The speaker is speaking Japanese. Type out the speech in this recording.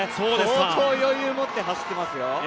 相当、余裕を持って走ってますよ。